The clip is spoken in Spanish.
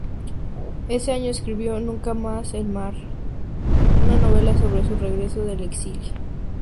Ese año escribió "Nunca más el mar", una novela sobre su regreso del exilio.